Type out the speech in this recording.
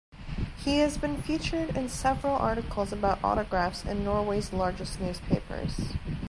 He has been featured in several articles about autographs in Norway's largest newspapers.